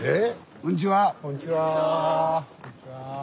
こんにちは。